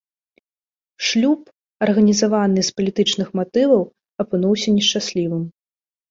Шлюб, арганізаваны з палітычных матываў, апынуўся нешчаслівым.